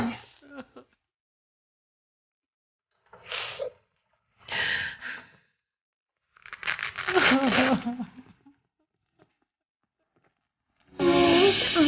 ibu yang takut